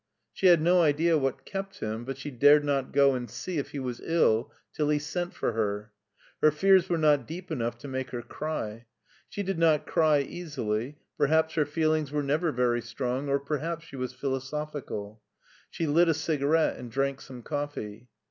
She had no idea what kept him, but she dared not go and see if he was ill till he sent, for her. Her fears were not deep enough to make her cry. She did not cry easily; perhaps her feelings were never very strong, or perhaps she was philosophical. She lit a cigarette and drank some coffee.